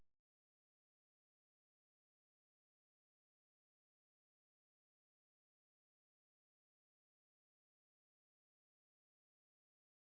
โปรดติดตามต่อไป